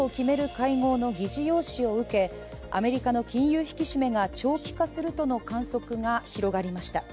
会合の議事要旨を受け、アメリカの金融引き締めが長期化するとの観測が広がりました。